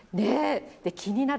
気になる